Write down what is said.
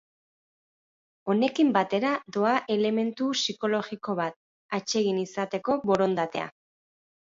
Honekin batera doa elementu psikologiko bat, atsegin izateko borondatea.